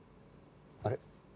あれ？